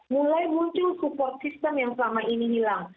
mulai muncul support system yang selama ini hilang